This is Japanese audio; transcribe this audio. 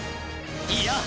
いや！